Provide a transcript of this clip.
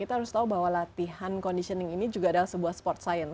kita harus tahu bahwa latihan conditioning ini juga adalah sebuah sport science